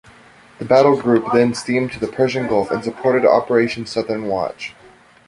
The battle group then steamed to the Persian Gulf and supported Operation Southern Watch.